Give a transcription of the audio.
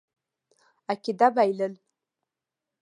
عقیده بایلل.